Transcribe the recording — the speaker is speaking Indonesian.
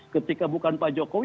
ketika bukan pak jokowi